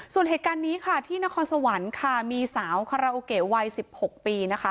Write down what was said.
ส่วนเหตุการณ์นี้ค่ะที่นครสวรรค์ค่ะมีสาวคาราโอเกะวัย๑๖ปีนะคะ